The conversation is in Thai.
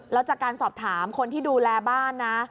แล้วจากการสอบถามคนที่ดูแลบ้านนะ